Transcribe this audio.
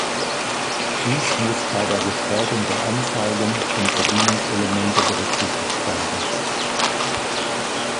Dies muss bei der Gestaltung der Anzeigen und Bedienungselemente berücksichtigt werden.